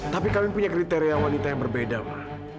tapi kami punya kriteria wanita yang berbeda mbak